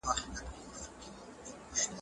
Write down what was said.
پانګوال بايد د غريبانو خيال وساتي.